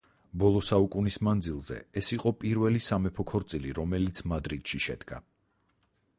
ბოლო საუკუნის მანძილზე ეს იყო პირველი სამეფო ქორწილი რომელიც მადრიდში შედგა.